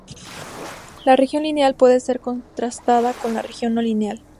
La regresión lineal puede ser contrastada con la regresión no lineal.